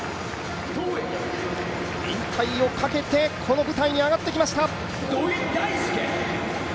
引退をかけてこの舞台に上がってきました。